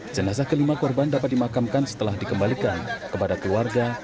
jenazah kelima korban dapat dimakamkan setelah dikembalikan kepada keluarga